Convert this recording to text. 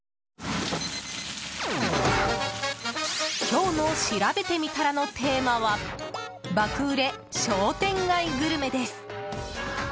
今日のしらべてみたらのテーマは爆売れ商店街グルメです。